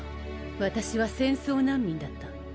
私は戦争難民だった。